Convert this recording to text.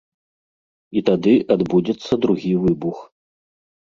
І тады адбудзецца другі выбух.